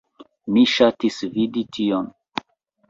Mi ŝatis vidi tion.